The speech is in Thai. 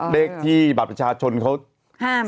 ได้ี่บัธประชาชนก็ห้าม